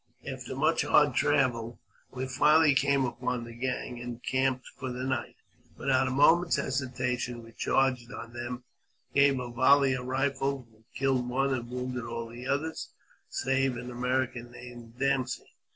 After much hard travel, we finally came upon the gang, encamped for the night. Without a moment's hesitation, we charged on them, and gave a volley of rifles, which killed one, and wounded all the others, save an American named Dempsey.